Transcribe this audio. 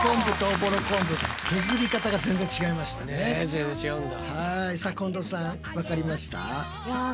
全然違うんだ。